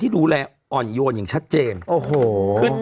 พี่โอ๊คบอกว่าเขินถ้าต้องเป็นเจ้าภาพเนี่ยไม่ไปร่วมงานคนอื่นอะได้